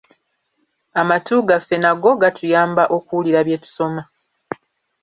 Amatu gaffe nago gatuyamba okuwulira bye tusoma.